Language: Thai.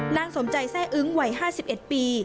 นางสมใจแซ่อึ้งวัย๕๑ปี